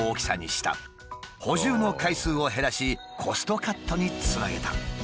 補充の回数を減らしコストカットにつなげた。